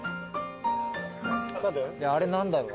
あれ何だろう？